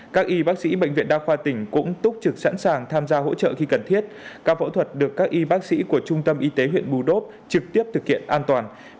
các y bác sĩ bệnh viện đa khoa tỉnh cũng túc trực sẵn sàng tham gia hỗ trợ khi cần thiết các phẫu thuật được các y bác sĩ của trung tâm y tế huyện bù đốp trực tiếp thực hiện an toàn